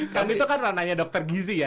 kan itu kan rananya dokter gizi ya